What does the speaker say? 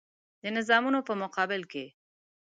د نظامونو په مقابل کې.